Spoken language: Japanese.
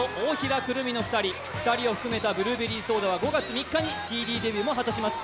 ２人を含めたブルーベリーソーダは５月にＣＤデビューも果たします。